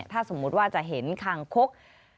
ถ้าสมมุติว่าจะเห็นคางคก